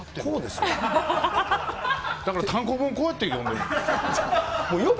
だから単行本、こうやって読む。